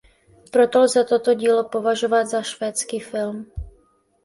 Proto lze toto dílo považovat za švédský film.